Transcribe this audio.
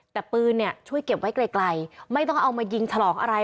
แต่ปืนเนี่ยช่วยเก็บไว้ไกลไม่ต้องเอามายิงฉลองอะไร